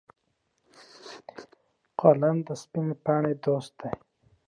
قلم د سپینې پاڼې دوست دی